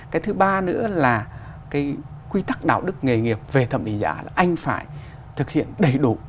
cái thứ ba nữa là cái quy tắc đạo đức nghề nghiệp về thẩm định giá là anh phải thực hiện đầy đủ